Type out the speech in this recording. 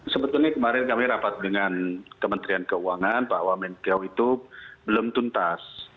sebetulnya kemarin kami rapat dengan kementerian keuangan bahwa menteri kew itu belum tuntas